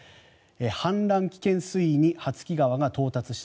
氾濫危険水位に羽月川が到達した。